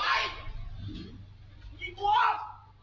ไอ้ควร